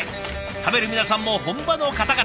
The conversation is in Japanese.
食べる皆さんも本場の方々。